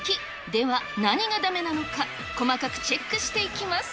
では何がだめなのか、細かくチェックしていきます。